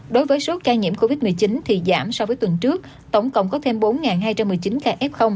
đối với số ca nhiễm covid một mươi chín thì giảm so với tuần trước tổng cộng có thêm bốn hai trăm một mươi chín ca f